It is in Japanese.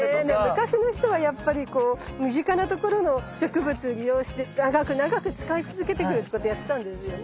昔の人はやっぱり身近なところの植物利用して長く長く使い続けていくことをやってたんですよね。